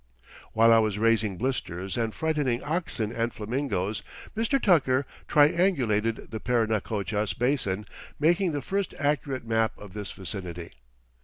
While I was raising blisters and frightening oxen and flamingoes, Mr. Tucker triangulated the Parinacochas Basin, making the first accurate map of this vicinity.